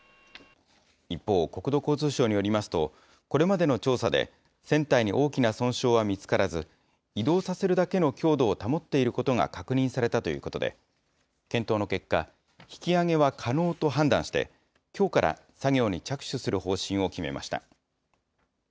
一方、国土交通省によりますと、これまでの調査で、船体に大きな損傷は見つからず、移動させるだけの強度を保っていることが確認されたということで、検討の結果、引き揚げは可能と判断して、きょうから作業に着手する方針を決めました。